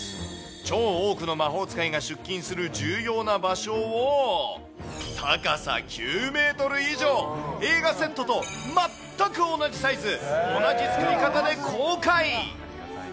超多くの魔法使いが出勤する重要な場所を、高さ９メートル以上、映画セットと全く同じサイズ、同じ作り方で公開。